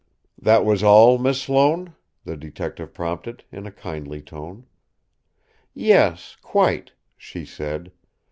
"That was all, Miss Sloane?" the detective prompted, in a kindly tone. "Yes, quite," she said.